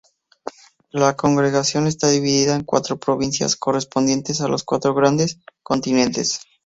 La Congregación está dividida en cuatro provincias correspondientes a los cuatro grandes continentes.